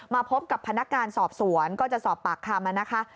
มาพบกับพนักการณ์สอบสวนก็จะสอบปากคำ